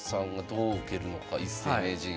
一世名人。